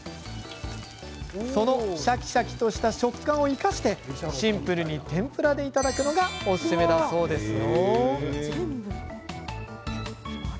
そのシャキシャキとした食感を生かして、シンプルに天ぷらがおすすめだそうですよ。